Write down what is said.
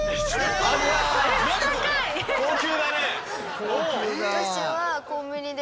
高級だね。